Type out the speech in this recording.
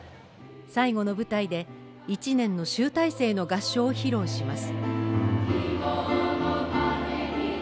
最後の舞台で１年の集大成の合唱を披露します。